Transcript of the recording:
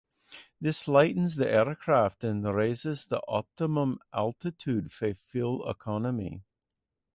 This lightens the aircraft and raises the optimum altitude for fuel economy.